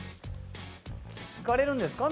行かれるんですか？